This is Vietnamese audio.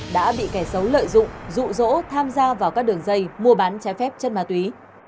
đã bị kẻ xấu lợi dụng dụ dỗ tham gia vào các đường dây mua bán trái phép trên ma túy